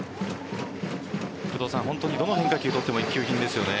本当にどの変化球をとっても一級品ですよね。